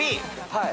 はい。